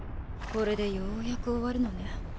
これでようやく終わるのね。